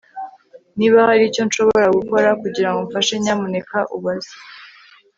Niba hari icyo nshobora gukora kugirango mfashe nyamuneka ubaze